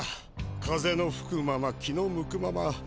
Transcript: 風のふくまま気の向くまま。